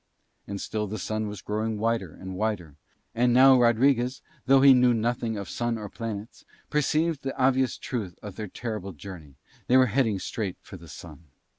And still the Sun was growing wider and wider. And now Rodriguez, though he knew nothing of Sun or planets, perceived the obvious truth of their terrible journey: they were heading straight for the Sun.